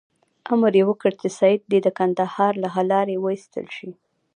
امر یې وکړ چې سید دې د کندهار له لارې وایستل شي.